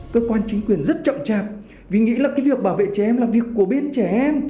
cơ quan chính quyền rất chậm chạp vì nghĩ là cái việc bảo vệ trẻ em là việc của bên trẻ em